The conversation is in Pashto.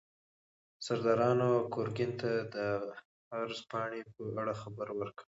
سردارانو ګورګین ته د عرض پاڼې په اړه خبر ورکړ.